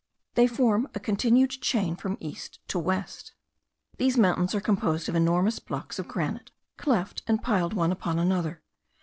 They form a continued chain from east to west. These mountains are composed of enormous blocks of granite, cleft and piled one upon another.